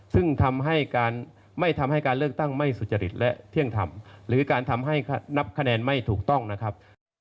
ซึ่งทำให้การไม่ทำให้การเลือกตั้งไม่สุจริตและเที่ยงธรรมหรือการทำให้นับคะแนนไม่ถูกต้องนะครับ